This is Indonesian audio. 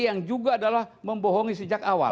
yang juga adalah membohongi sejak awal